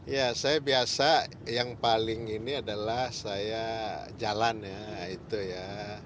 ya saya biasa yang paling ini adalah saya jalan ya itu ya